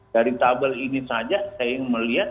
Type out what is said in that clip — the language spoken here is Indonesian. dari tabel ini saja saya melihat